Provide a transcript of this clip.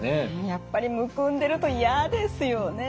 やっぱりむくんでると嫌ですよね。